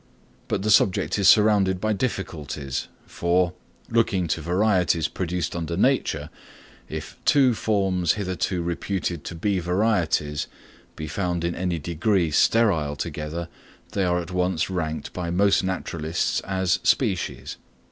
But the subject is surrounded by difficulties, for, looking to varieties produced under nature, if two forms hitherto reputed to be varieties be found in any degree sterile together, they are at once ranked by most naturalists as species.